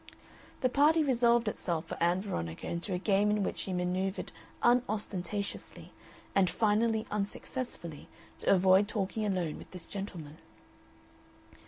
The party resolved itself for Ann Veronica into a game in which she manoeuvred unostentatiously and finally unsuccessfully to avoid talking alone with this gentleman.